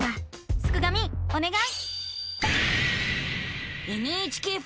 すくがミおねがい！